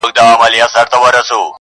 ګله له تا هم زلمي ډاریږي!!